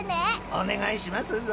［お願いしますぞ］